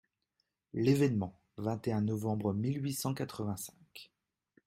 L'ÉVÉNEMENT, vingt et un novembre mille huit cent quatre-vingt-cinq.